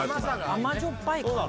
甘じょっぱい感じ。